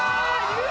言う！